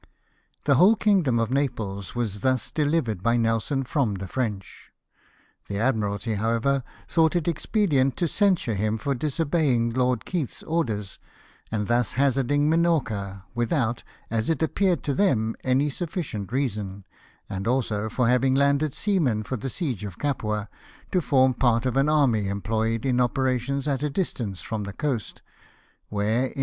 . The whole kiagdom of Naples was thus delivered by Nelson from the French. The Admiralty, how ever, thought it expedient to censure him for dis obeying Lord Keith's orders, and thus hazarding Minorca, without, as it appeared to them, any suffi cient reason ; and also for having landed seamen for the siege of Capua, to form part of an army employed in operations at a distance from the coast, where, iti N 194 LIFE OF NELSON.